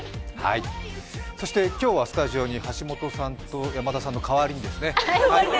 そして今日はスタジオに橋本さんと山田さんの代わりですね。